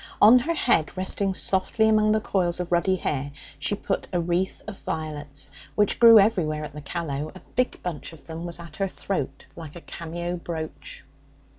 On her head, resting softly among the coils of ruddy hair, she put a wreath of violets, which grew everywhere at the Callow; a big bunch of them was at her throat like a cameo brooch.